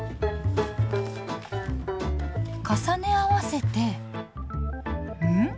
重ね合わせてん？